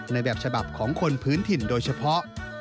แบบฉบับของคนพื้นถิ่นโดยเฉพาะ